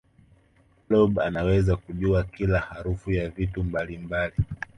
blob anaweza kujua kila harufu ya vitu mbalimbali